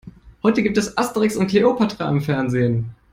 Heute gibt es Asterix und Kleopatra im Fernsehen.